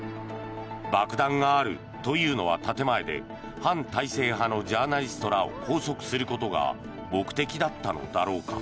爆弾があるというのは建前で反体制派のジャーナリストらを拘束することが目的だったのだろうか。